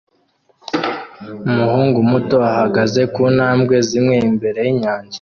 Umuhungu muto ahagaze ku ntambwe zimwe imbere yinyanja